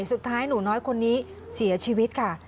สุดท้ายหนูน้อยคนนี้เสียชีวิตค่ะ